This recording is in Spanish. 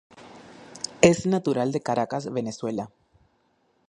Es natural de Caracas, Venezuela.